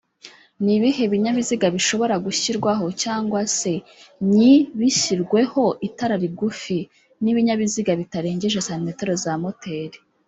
Nibihe binyabiziga bishobora gushyirwaho cg se nyibishyirweho itara rigufi nibinyabiziga bitarengeje cm za moteri